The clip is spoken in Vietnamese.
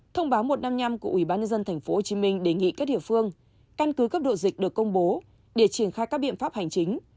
thông báo một trăm năm mươi năm của ubnd tp hcm đề nghị các địa phương căn cứ cấp độ dịch được công bố để triển khai các biện pháp hành chính